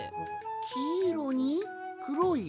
きいろにくろいてん？